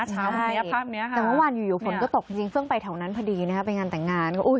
แต่เมื่อวานอยู่ฝนก็ตกจริงเพิ่งไปแถวนั้นพอดีนะครับไปงานแต่งงาน